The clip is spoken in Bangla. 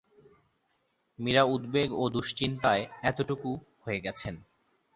মীরা উদ্বেগ ও দুশ্চিন্তায় এতটুকু হয়ে গেছেন।